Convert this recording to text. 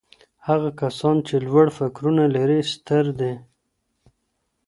هغه کسان چي لوړ فکرونه لري ستر دي.